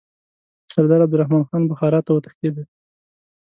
سردار عبدالرحمن خان بخارا ته وتښتېدی.